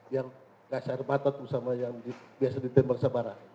yang gak serbatat sama yang biasa ditembak sabara